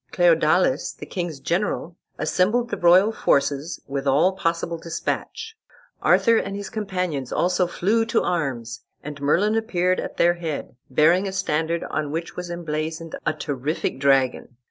Cleodalis, the king's general, assembled the royal forces with all possible despatch. Arthur and his companions also flew to arms, and Merlin appeared at their head, bearing a standard on which was emblazoned a terrific dragon.